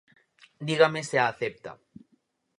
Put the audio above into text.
Dígame se a acepta.